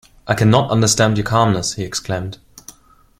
"I cannot understand your calmness," he exclaimed.